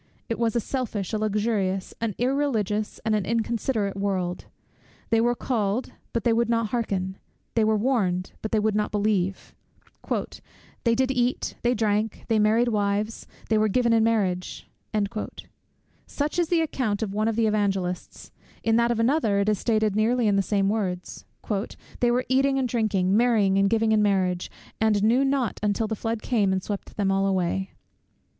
It was a selfish, a luxurious, an irreligious, and an inconsiderate world. They were called, but they would not hearken; they were warned, but they would not believe "They did eat, they drank, they married wives, they were given in marriage:" such is the account of one of the Evangelists; in that of another it is stated nearly in the same words; "They were eating and drinking, marrying and giving in marriage, and knew not until the flood came and swept them all away."